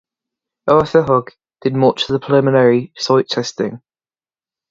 Arthur Hogg did much of the preliminary site testing.